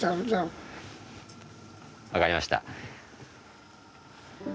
分かりました。